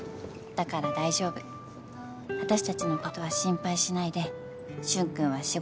「だから大丈夫」「私たちのことは心配しないで舜くんは仕事に励んで！」